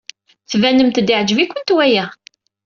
Tbanemt-d yeɛjeb-ikent waya.